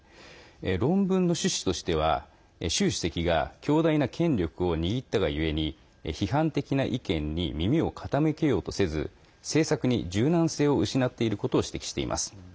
論文の趣旨としては習主席が強大な権力を握ったがゆえに批判的な意見に耳を傾けようとせず政策に柔軟性を失っていることを指摘しています。